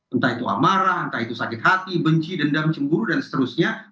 entah itu amarah entah itu sakit hati benci dendam cemburu dan seterusnya